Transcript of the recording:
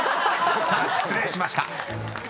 ［失礼しました］